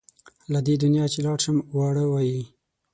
له دې دنیا چې لاړ شم واړه وایي.